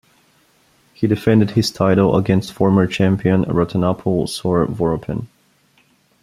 He defended his title against former champion Ratanapol Sor Vorapin.